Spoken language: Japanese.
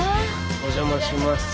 お邪魔します。